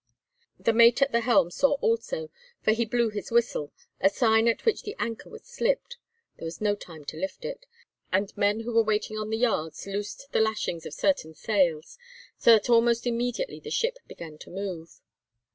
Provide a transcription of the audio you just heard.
The mate at the helm saw also, for he blew his whistle, a sign at which the anchor was slipped—there was no time to lift it—and men who were waiting on the yards loosed the lashings of certain sails, so that almost immediately the ship began to move.